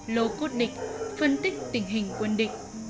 lô cốt địch phân tích tình hình quân địch